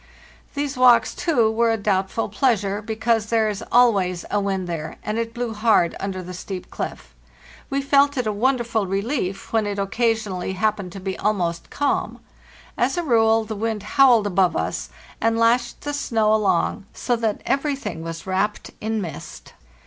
These walks, too, were a doubtful pleasure, because there is always a wind there, and it blew hard under the steep cliff. We felt it a wonderful relief when it occasion ally happened to be almost calm. As a rule, the wind howled above us and lashed the snow along, so that everything was wrapped in mist.